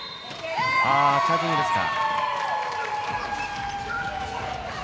チャージングですか。